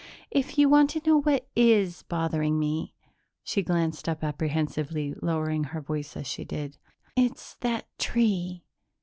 "If you want to know what is bothering me " she glanced up apprehensively, lowering her voice as she did "it's that tree.